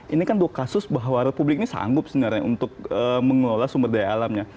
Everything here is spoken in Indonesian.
ini kan dua kasus bahwa republik ini sanggup sebenarnya untuk mengelola sumber daya alamnya